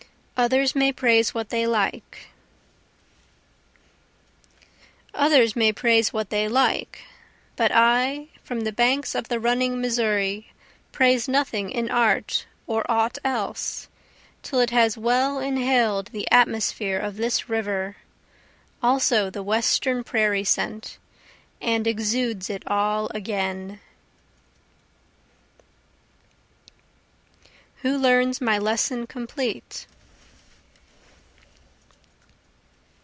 Others May Praise What They Like Others may praise what they like; But I, from the banks of the running Missouri, praise nothing in art or aught else, Till it has well inhaled the atmosphere of this river, also the western prairie scent, And exudes it all again. Who Learns My Lesson Complete?